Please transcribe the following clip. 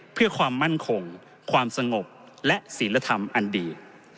เพื่อความมั่นคงความสงบและศิลธรรมอันดี